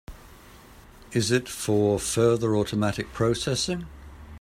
Is it for further automatic processing?